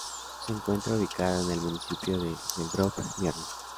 Se encuentra ubicada en el municipio de Geldrop-Mierlo.